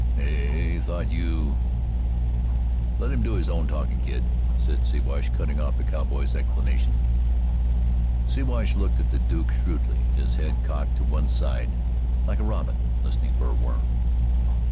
"He thought you " "Let him do his own talkin', kid," said Siwash, cutting off the cowboy's explanation. Siwash looked at the Duke shrewdly, his head cocked to one side like a robin listening for a worm.